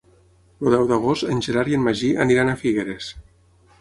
El deu d'agost en Gerard i en Magí aniran a Figueres.